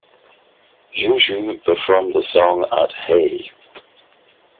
Juju performed the song at Hey!